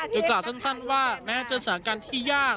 โดยกล่าวสั้นว่าแม้จะสถานการณ์ที่ยาก